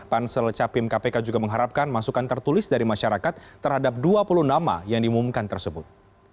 pansel capim kpk juga mengharapkan masukan tertulis dari masyarakat terhadap dua puluh nama yang diumumkan tersebut